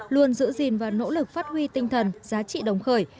luôn giữ gìn và nỗ lực phát huy tinh thần giá trị đồng khởi